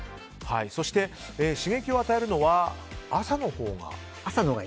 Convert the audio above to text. そして、刺激を与えるのは朝のほうが。